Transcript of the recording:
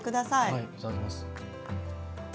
はいいただきます。